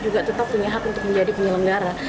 juga tetap punya hak untuk menjadi penyelenggara